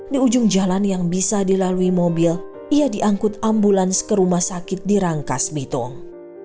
di ujung jalan yang bisa dilalui mobil ia diangkut ambulans ke rumah sakit di rangkas bitung